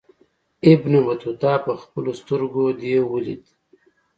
ابن بطوطه پخپلو سترګو دېو ولید.